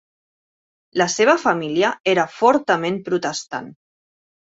La seva família era fortament protestant.